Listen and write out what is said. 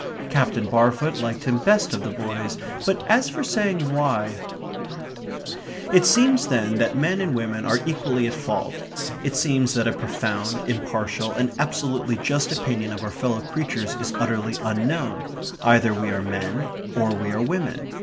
Captain Barfoot liked him best of the boys; but as for saying why ... It seems then that men and women are equally at fault. It seems that a profound, impartial, and absolutely just opinion of our fellow creatures is utterly unknown. Either we are men, or we are women.